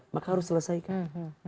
maka harus selesaikan